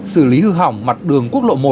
xử lý hư hỏng mặt đường quốc lộ một